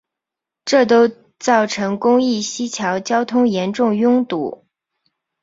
这都造成公益西桥交通严重拥堵。